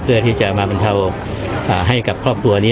เพื่อที่จะมาบรรเทาให้กับครอบครัวนี้